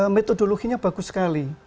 metodologinya bagus sekali